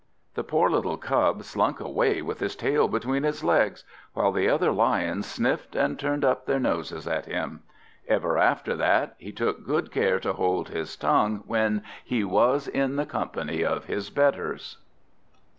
The poor Cub slunk away with his tail between his legs, while the other Lions sniffed and turned up their noses at him. Ever after that he took good care to hold his tongue when he was in the company of his betters.